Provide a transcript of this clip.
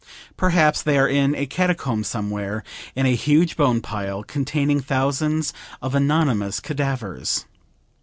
Perhaps they are in a catacomb somewhere, in a huge bone pile containing thousands of anonymous cadavers.